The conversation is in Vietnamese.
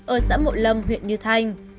ở xã mộ lâm huyện như thanh